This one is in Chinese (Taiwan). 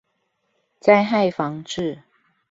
災害防治